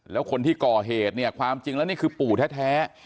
แล้วคนที่ก่อเหตุเนี่ยความจริงแล้วนี่คือปู่แท้